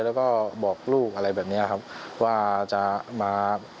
แล้วก็บอกลูกอะไรแบบนี้ครับว่าจะมา